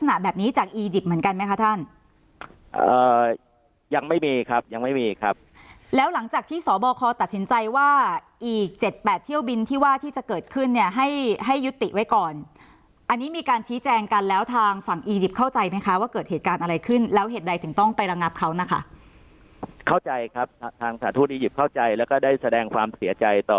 อ่ายังไม่มีครับยังไม่มีครับแล้วหลังจากที่สอบคอตัดสินใจว่าอีกเจ็ดแปดเที่ยวบินที่ว่าที่จะเกิดขึ้นเนี่ยให้ให้ยุติไว้ก่อนอันนี้มีการชี้แจงกันแล้วทางฝั่งอียิปต์เข้าใจไหมคะว่าเกิดเหตุการณ์อะไรขึ้นแล้วเหตุใดถึงต้องไประงับเขานะคะเข้าใจครับทางสาธุนอียิปต์เข้าใจแล้วก็ได้